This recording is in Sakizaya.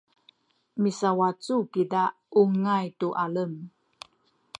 misawacu kiza ungay tu alem